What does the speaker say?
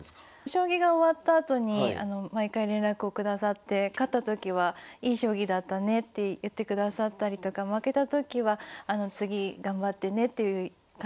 将棋が終わったあとに毎回連絡を下さって勝ったときはいい将棋だったねって言ってくださったりとか負けたときは次頑張ってねという感じでしたね。